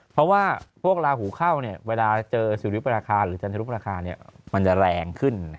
เพราะว่าพวกลาหูเข้าเวลาเจอสุริปราคาหรือจันทรุปราคามันจะแรงขึ้น